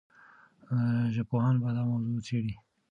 ژبپوهان به دا موضوع څېړي.